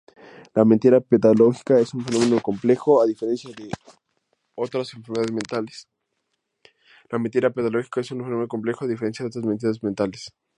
La mentira patológica es un fenómeno complejo, a diferencia de otras enfermedades mentales.